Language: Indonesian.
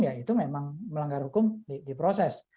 ya itu memang melanggar hukum di proses